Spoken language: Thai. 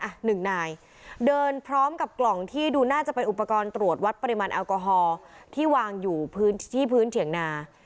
หนึ่งนายเดินพร้อมกับกล่องที่ดูน่าจะเป็นอุปกรณ์ตรวจวัดปริมาณแอลกอฮอล์ที่วางอยู่พื้นที่พื้นเถียงนา